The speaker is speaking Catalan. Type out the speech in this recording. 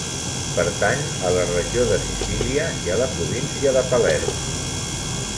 Pertany a la regió de Sicília i a la província de Palerm.